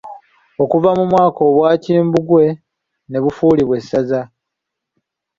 Okuva mu mwaka obwa Kimbugwe ne bafuulibwa Essaza.